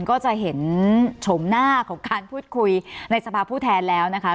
ก็จะเห็นชมหน้าของการพูดคุยในสภาพผู้แทนแล้วนะคะ